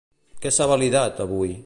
Què s'ha validat, avui?